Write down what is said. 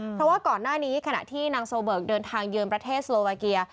เพราะว่าก่อนหน้านี้ขณะที่นางโซเบิกเดินทางเยือนประเทศโลวาเกีย